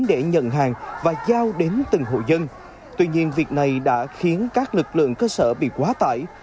để nhận hàng và giao đến từng hộ dân tuy nhiên việc này đã khiến các lực lượng cơ sở bị quá tải